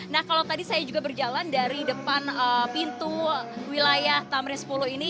nah kalau tadi saya juga berjalan dari depan pintu wilayah tamrin sepuluh ini